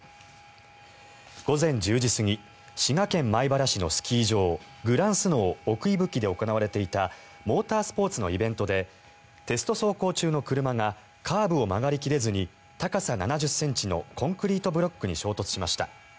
午前１０時過ぎ滋賀県米原市のスキー場グランスノー奥伊吹で行われていたモータースポーツのイベントでテスト走行中の車がカーブを曲がり切れずに高さ７０ｃｍのコンクリートブロックに衝突しました。